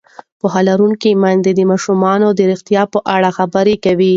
پوهه لرونکې میندې د ماشومانو د روغتیا په اړه خبرې کوي.